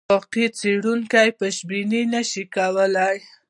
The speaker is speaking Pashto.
واقعي څېړونکی پیشبیني نه شي کولای.